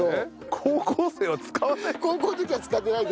高校生は使わない。